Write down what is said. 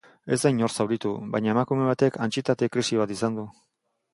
Ez da inor zauritu, baina emakume batek antsietate-krisi bat izan du.